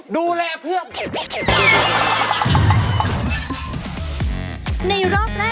ดูแลเพื่อ